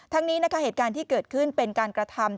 นี้นะคะเหตุการณ์ที่เกิดขึ้นเป็นการกระทำ